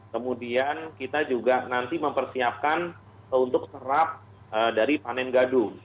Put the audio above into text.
kemudian kita juga nanti mempersiapkan untuk serap dari panen gadung